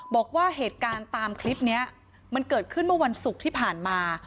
บอกว่าเหตุการณ์ตามคลิปนี้มันเกิดขึ้นเมื่อวันศุกร์ที่ผ่านมา